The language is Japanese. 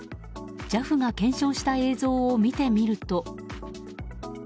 ＪＡＦが検証した映像を見てみると。